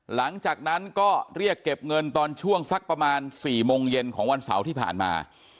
หลังจากนั้นก็เรียกเก็บเงินตอนช่วงสักประมาณ๔โมงเย็นของวันเสาร์ที่ผ่านมา